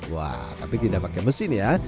wah tapi tidak pakai mesin ya